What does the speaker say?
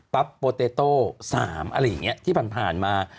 โปเตโต้๓อะไรอย่างนี้ที่ผ่านมา